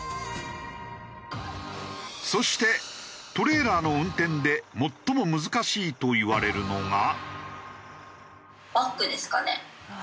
そしてトレーラーの運転で最も難しいといわれるのが。